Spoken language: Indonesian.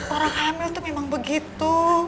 orang hamil tuh memang begitu